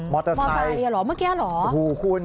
มอเตอร์ไซน์เมื่อกี้หรือเหรอหูคูณ